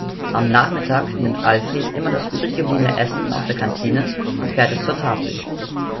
Am Nachmittag nimmt Alfred immer das übrig gebliebene Essen aus der Kantine und fährt es zur Tafel.